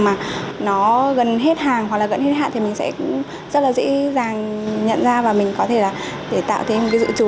mà gần hết hàng hoặc gần hết hạn thì mình sẽ rất dễ dàng nhận ra và mình có thể tạo thêm dự trù